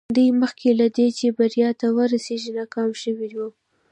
دوی مخکې له دې چې بريا ته ورسېږي ناکام شوي وو.